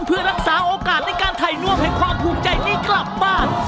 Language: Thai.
เพื่อรักษาโอกาสในการถ่ายล่วงแห่งความภูมิใจนี้กลับบ้าน